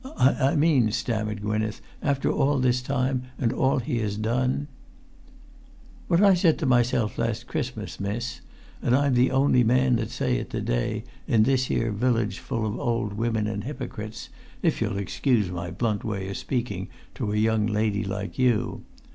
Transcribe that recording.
"I mean," stammered Gwynneth, "after all this time, and all he has done!" "What I said to myself last Christmas, miss; and I'm the only man that say it to day, in this here village full of old women and hypocrites; if you'll[Pg 312] excuse my blunt way o' speaking to a young lady like you.